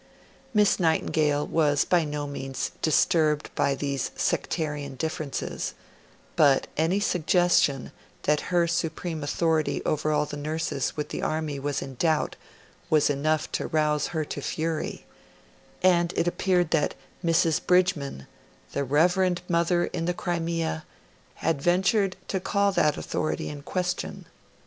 Miss Nightingale was by no means disturbed by these sectarian differences, but any suggestion that her supreme authority over all the nurses with the Army was, no doubt, enough to rouse her to fury; and it appeared that Mrs. Bridgeman, the Reverend Mother in the Crimea, had ventured to call that authority in question.